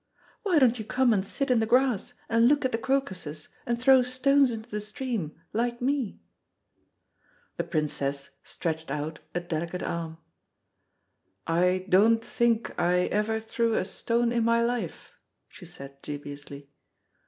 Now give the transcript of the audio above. Why don't you come and sit in the grass, and look at the crocuses, and throw stones into the stream like me." The Princess stretched out a delicate arm. "I don't think I ever threw a stone in my life," she said dubiously.